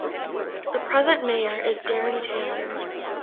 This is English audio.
The present mayor is Darin Taylor.